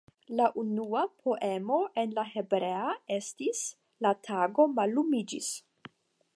La unua poemo en la hebrea estis "La tago mallumiĝis.